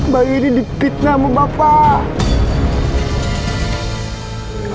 bayu ini dipitnah sama bapak